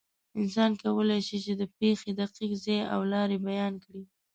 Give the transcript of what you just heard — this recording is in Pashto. انسان کولی شي، چې د پېښې دقیق ځای او لارې بیان کړي.